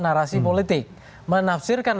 narasi politik menafsirkan